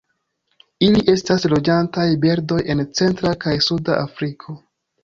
Ili estas loĝantaj birdoj en centra kaj suda Afriko.